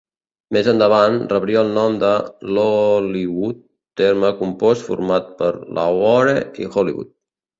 Més endavant, rebria el nom de "Lollywood", terme compost format per Lahore i Hollywood.